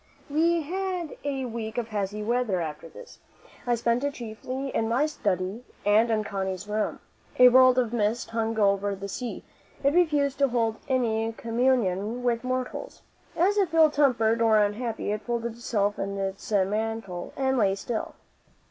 We had a week of hazy weather after this. I spent it chiefly in my study and in Connie's room. A world of mist hung over the sea; it refused to hold any communion with mortals. As if ill tempered or unhappy, it folded itself in its mantle and lay still.